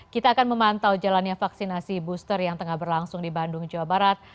kita akan memantau jalannya vaksinasi booster yang tengah berlangsung di bandung jawa barat